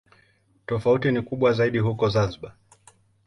Tofauti ni kubwa zaidi huko Zanzibar.